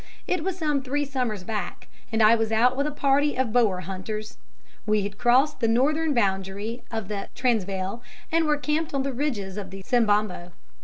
It was some three summers back, and I was out with a party of Boer hunters. We had crossed the Northern boundary of the Transvaal, and were camped on the ridges of the Sembombo.